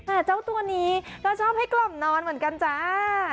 แต่เจ้าตัวนี้ก็ชอบให้กล่อมนอนเหมือนกันจ้า